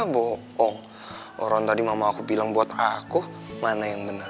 bohong orang tadi mama aku bilang buat aku mana yang benar